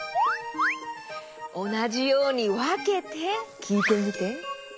おなじようにわけてきいてみて。